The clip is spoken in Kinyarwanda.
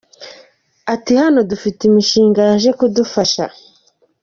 Ati “Hano dufite imishinga yaje kudufasha.